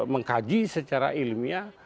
mengkaji secara ilmiah